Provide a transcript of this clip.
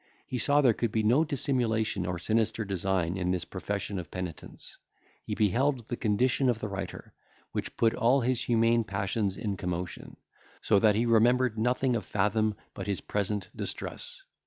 He saw there could be no dissimulation or sinister design in this profession of penitence. He beheld the condition of the writer, which put all his humane passions in commotion; so that he remembered nothing of Fathom but his present distress.